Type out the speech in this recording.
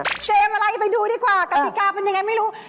เกมอะไรไปดูดีกว่ากติกรรมมันยังไงไม่รู้